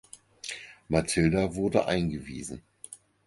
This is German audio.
Mathilda wurde eingewiesen.